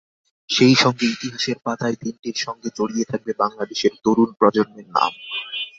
সেই সঙ্গে ইতিহাসের পাতায় দিনটির সঙ্গে জড়িয়ে থাকবে বাংলাদেশের তরুণ প্রজন্মের নাম।